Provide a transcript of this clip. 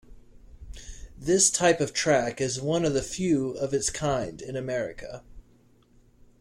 This type of track is one of the few of its kind in America.